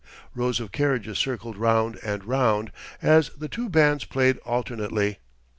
Rows of carriages circled round and round, as the two bands played alternately.